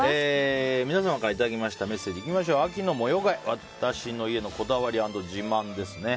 皆様からいただきましたメッセージ、秋の模様替え私の家のこだわり＆自慢。